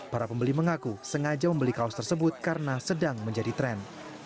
para pembeli mengaku sengaja membeli kaos tersebut karena sedang menjadi tren